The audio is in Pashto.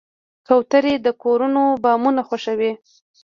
کوترې د کورونو بامونه خوښوي.